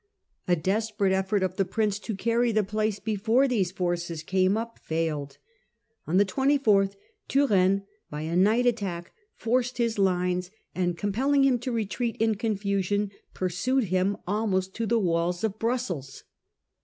A desperate effort of the Prince to carry the place before success of these forces came up failed. On the 24th the French. Turenne by a night attack forced his lines, and compelling him to retreat in confusion, pursued him almost to the walls of Brussels.